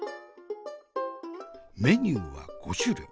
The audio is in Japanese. メニューは５種類。